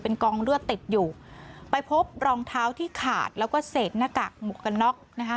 กองเลือดติดอยู่ไปพบรองเท้าที่ขาดแล้วก็เศษหน้ากากหมวกกันน็อกนะคะ